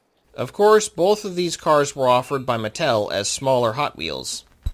Of course, both of these cars were offered by Mattel as smaller Hot Wheels.